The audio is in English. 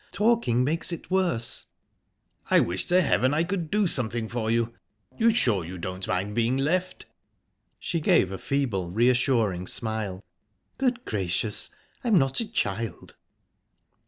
Talking makes it worse." "I wish to heaven I could do something for you!...You're sure you don't mind being left?" She gave a feeble, reassuring smile. "Good gracious! I'm not a child."